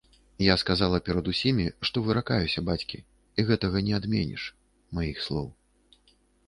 Я сказала перад усімі, што выракаюся бацькі і гэтага не адменіш, маіх слоў.